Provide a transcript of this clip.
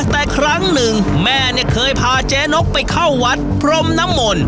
แต่ครั้งหนึ่งแม่เนี่ยเคยพาเจ๊นกไปเข้าวัดพรมน้ำมนต์